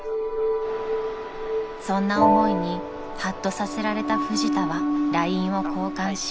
［そんな思いにはっとさせられたフジタはＬＩＮＥを交換し］